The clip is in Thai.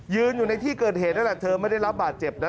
อยู่ในที่เกิดเหตุนั่นแหละเธอไม่ได้รับบาดเจ็บนะ